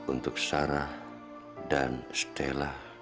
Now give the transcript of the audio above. untuk sarah dan stella